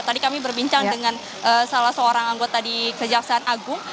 tadi kami berbincang dengan salah seorang anggota di kejaksaan agung